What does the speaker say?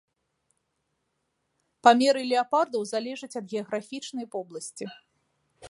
Памеры леапардаў залежаць ад геаграфічнай вобласці.